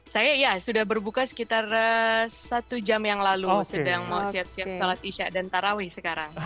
saya ya sudah berbuka sekitar satu jam yang lalu sedang mau siap siap sholat isya dan tarawih sekarang